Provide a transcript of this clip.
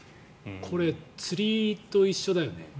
これ、釣りと一緒だよね。